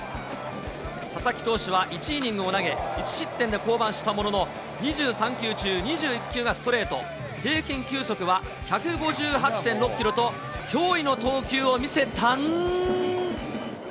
佐々木投手は１イニングを投げ、１失点で降板したものの、２３球中２１球がストレート、平均球速は１５８．６キロと、ですが。